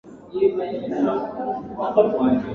walivyozoea Lakini mara kwa mara upande wa watawala na